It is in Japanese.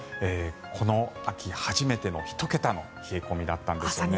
この秋初めての１桁の冷え込みだったんですね。